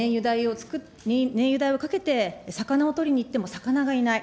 燃油代をかけて魚を取りに行っても魚がいない。